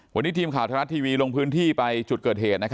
วันนี้ทีมข่าวไทยรัฐทีวีลงพื้นที่ไปจุดเกิดเหตุ